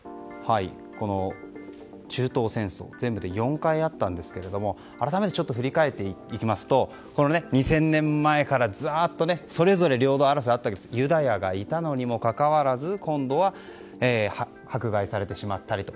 中東戦争全部で４回あったんですが改めて振り返っていきますと２０００年前から、それぞれ領土争いがあったんですがユダヤがいたのにもかかわらず今度は、迫害されてしまったりと。